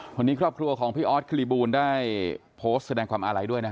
วันนี้ครอบครัวของพี่ออสคลีบูลได้โพสต์แสดงความอาลัยด้วยนะฮะ